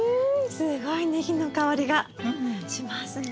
すごいネギの香りがしますね。